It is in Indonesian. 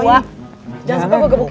dua jangan sampai gue gebukin